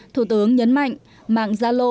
thủ tướng nhấn mạnh mạng gia lô